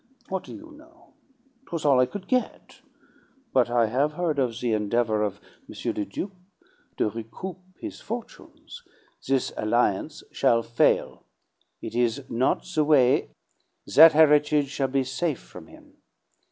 What do you know! 'Twas all I could get. But I have heard of the endeavor of M. le Duc to recoup his fortunes. This alliance shall fail. It is not the way that heritage shall be safe' from him!